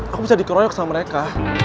aku bisa dikeroyok sama mereka